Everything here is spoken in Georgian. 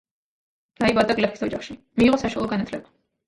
დაიბადა გლეხის ოჯახში, მიიღო საშუალო განათლება.